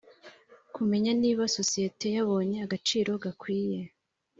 Kumenya niba sosiyete yabonye agaciro gakwiye.